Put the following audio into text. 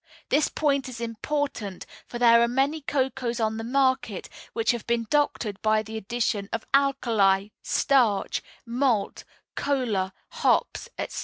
This point is important, for there are many cocoas on the market which have been doctored by the addition of alkali, starch, malt, kola, hops, etc."